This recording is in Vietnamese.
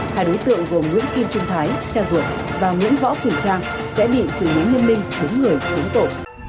hai đối tượng gồm nguyễn kim trung thái cha duật và nguyễn võ quỳnh trang sẽ bị sự nguyên minh đúng người đúng tổ